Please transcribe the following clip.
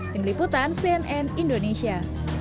tim liputan cnn indonesia